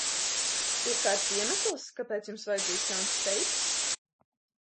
Ir kāds iemesls, kāpēc jums vajadzīgs jauns seifs?